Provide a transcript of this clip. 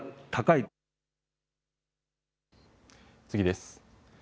次です。